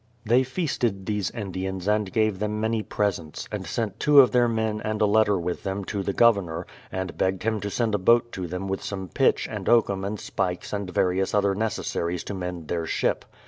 They feasted these Indians and gave them many pres 180 BRADFORD'S HISTORY OF ents, and sent two of their men and a letter with them to the Governor, and begged him to send a boat to them with some pitch and oakum and spikes and various other necessaries to mend their ship.